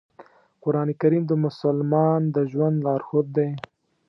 قرآن کریم د مسلمان د ژوند لارښود دی.